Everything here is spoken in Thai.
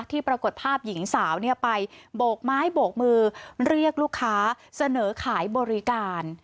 ปรากฏภาพหญิงสาวไปโบกไม้โบกมือเรียกลูกค้าเสนอขายบริการ